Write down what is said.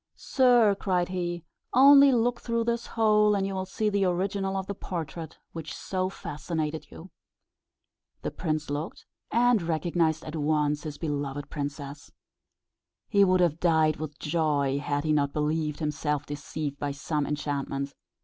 "Sir," cried he, "only look through this hole, and you will see the original of the portrait which so fascinated you." The prince looked, and recognised at once his beloved princess. He would have died with joy, had he not believed himself deceived by some enchantment.